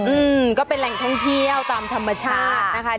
อืมก็เป็นแหล่งท่องเที่ยวตามธรรมชาตินะคะ